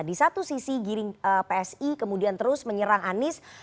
di satu sisi giring psi kemudian terus menyerang anies